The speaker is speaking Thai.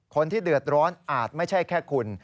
คนที่เดือดร้อนอาจไม่ใช่แค่คุณ